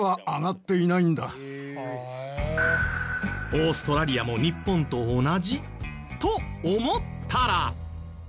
オーストラリアも日本と同じ？と思ったら。